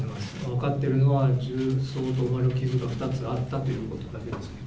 分かっているのは、銃創と思われる傷が２つあったということだけです。